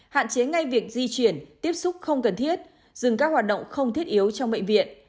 hạn chế ngay việc di chuyển tiếp xúc không cần thiết dừng các hoạt động không thiết yếu trong bệnh viện